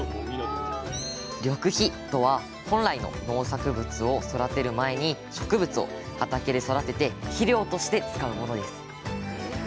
緑肥とは本来の農作物を育てる前に植物を畑で育てて肥料として使うものです。